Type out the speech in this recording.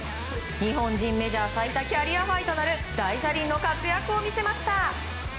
日本人メジャー最多キャリアハイとなる大車輪の活躍を見せました。